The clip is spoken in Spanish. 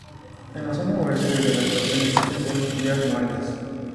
En la zona oeste de la estación existen dos vías muertas.